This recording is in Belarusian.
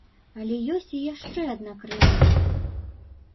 Але ёсць і яшчэ адна крыніца.